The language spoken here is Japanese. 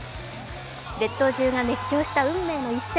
列島中が熱狂した運命の一戦。